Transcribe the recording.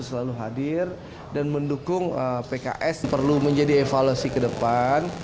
selalu hadir dan mendukung pks perlu menjadi evaluasi ke depan